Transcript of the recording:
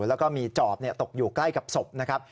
แล้วก็มีจอบตกอยู่ใกล้กับศพนะครับ